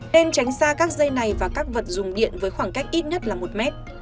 nên tránh xa các dây này và các vật dùng điện với khoảng cách ít nhất là một mét